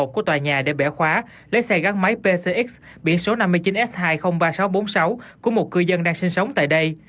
của tòa nhà để bẻ khóa lấy xe gắn máy pcx biển số năm mươi chín s hai mươi ba nghìn sáu trăm bốn mươi sáu của một cư dân đang sinh sống tại đây